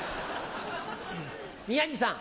宮治さん。